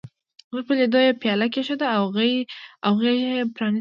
زموږ په لیدو یې پياله کېښوده او غېږه یې پرانستله.